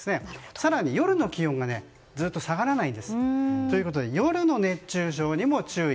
更に夜の気温がずっと下がらないんです。ということで夜の熱中症にも注意。